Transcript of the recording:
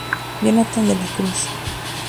Jonathan de la Cruz